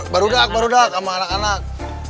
baru dak baru dak sama anak anak